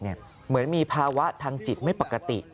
เหมือนมีภาวะทางจิตไม่ปกติ